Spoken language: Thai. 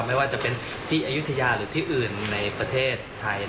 ไม่ว่าจะเป็นที่อายุทยาหรือที่อื่นในประเทศไทย